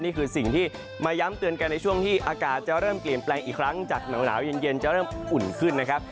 นี่คือสิ่งที่มาย้ำเตือนกันในช่วงที่อากาศจะเริ่มเปลี่ยนแปลงอีกครั้งจากหนาวเย็นจะเริ่มอุ่นขึ้นนะครับ